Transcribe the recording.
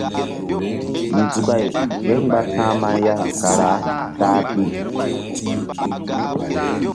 Nzukay kémgba ta̧hma ya kara ta-a pi.